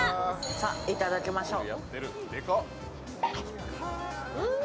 さあ、いただきましょう。